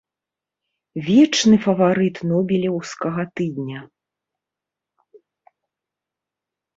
Вечны фаварыт нобелеўскага тыдня.